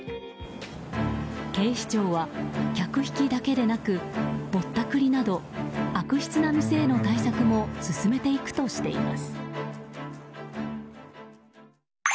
警視庁は、客引きだけでなくぼったくりなど悪質な店への対策も進めていくとしています。